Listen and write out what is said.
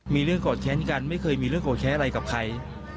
มีเรื่องโกรธแค้นกันไม่เคยมีเรื่องโกรธแค้นอะไรกับใคร